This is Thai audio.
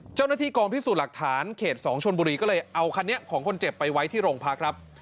เจ้าหน้าที่กองพิสูจน์หลักฐานเขต๒ชนบุรีก็เลยเอาคันนี้ของคนเจ็บไปไว้ที่โรงพักครับ